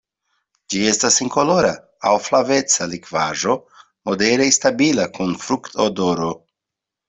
Ĝi estas senkolora aŭ flaveca likvaĵo modere stabila kun fruktodoro.